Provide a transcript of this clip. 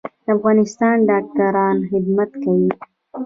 د افغانستان ډاکټران خدمت کوي